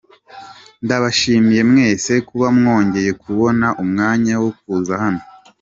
Ndabashimiye mwese kuba mwongeye kubona umwanya wo kuza hano.